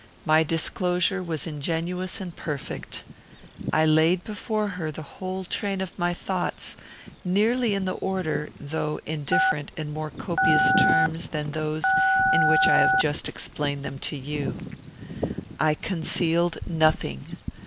My disclosure was ingenuous and perfect. I laid before her the whole train of my thoughts, nearly in the order, though in different and more copious terms than those, in which I have just explained them to you. I concealed nothing.